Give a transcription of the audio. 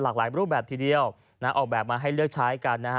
หลากหลายรูปแบบทีเดียวนะออกแบบมาให้เลือกใช้กันนะฮะ